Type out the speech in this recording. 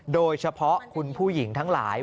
โดยเฉพาะคุณผู้หญิงทั้งหลาย